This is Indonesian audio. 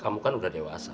kamu kan udah dewasa